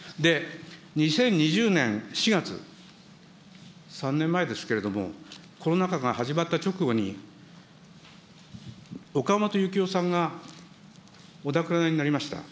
２０２０年４月、３年前ですけれども、コロナ禍が始まった直後に、おかもとゆきおさんがお亡くなりになりました。